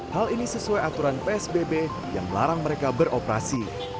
hal ini sesuai aturan psbb yang melarang mereka beroperasi